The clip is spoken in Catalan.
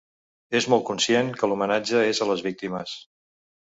És molt conscient que l’homenatge és a les víctimes.